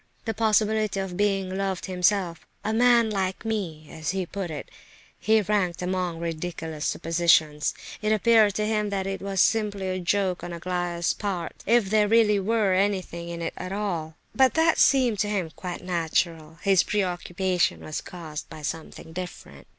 The possibility of being loved himself, "a man like me," as he put it, he ranked among ridiculous suppositions. It appeared to him that it was simply a joke on Aglaya's part, if there really were anything in it at all; but that seemed to him quite natural. His preoccupation was caused by something different.